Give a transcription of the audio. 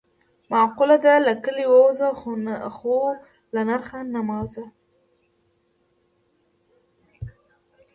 معقوله ده: له کلي ووځه خو له نرخ نه مه وځه.